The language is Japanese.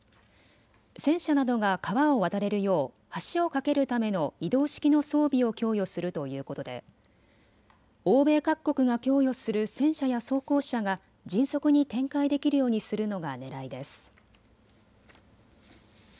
戦車などが川を渡れるよう橋を架けるための移動式の装備を供与するということで欧米各国が供与する戦車や装甲車が迅速に展開できるようにするのがねらいです。